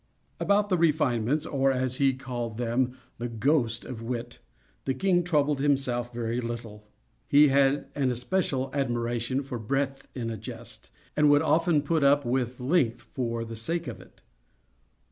About the refinements, or, as he called them, the "ghost" of wit, the king troubled himself very little. He had an especial admiration for breadth in a jest, and would often put up with length, for the sake of it.